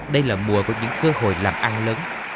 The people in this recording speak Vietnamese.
đây là mùa với những cơ hội làm ăn lớn